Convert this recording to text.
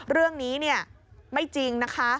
เรื่องนี้ไม่จริงนะคะ